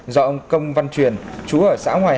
do ông công văn truyền chú ở xã ngoài